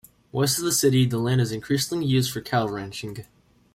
West of the city, the land is increasingly used for cattle ranching.